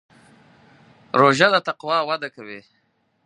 روژه د تقوا وده کوي.